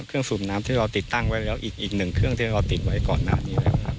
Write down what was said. เครื่องสูบน้ำที่เราติดตั้งไว้แล้วอีกอีกหนึ่งเครื่องที่เราติดไว้ก่อนหน้านี้